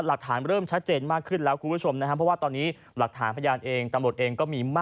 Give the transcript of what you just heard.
หลักฐานเริ่มชัดเจนมากขึ้นแล้วคุณผู้ชมนะฮะ